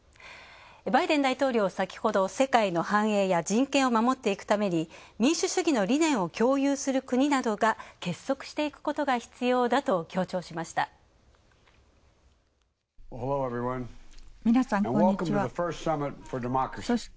バイデン大統領は先ほど、世界の反映や人権を守っていくために民主主義の理念を結束していくことが必要だと強調しました。